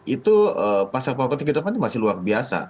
itu pasar properti kita kan masih luar biasa